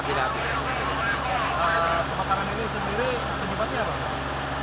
kebakaran ini sendiri penyebabnya apa